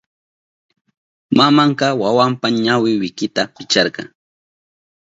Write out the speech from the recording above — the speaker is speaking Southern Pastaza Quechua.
Mamanka wawanpa ñawi wikita picharka.